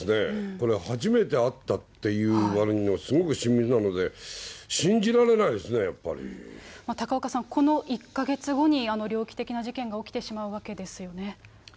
これ、初めて会ったっていうわりには、すごく親密なので、信じられない高岡さん、この１か月後に、猟奇的な事件が起きてしまうわけですよね。